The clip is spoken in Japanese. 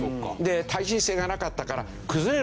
耐震性がなかったから崩れるわけですよね。